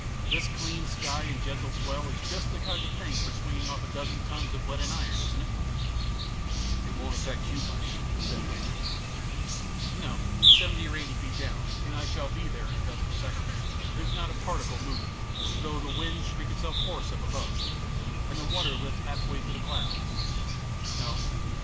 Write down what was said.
This clean sky and gentle 6 74 THE PLATTNER STORY AND OTHERS swell is just the kind of thing for swinging off a dozen tons of lead and iron ; isn't it ?"" It won't affect you much," said Weybridge. " No. Seventy or eighty feet down, and I shall be there in a dozen seconds, there's not a particle moving, though the wind shriek itself hoarse up above, and the water lifts halfway to the clouds. No.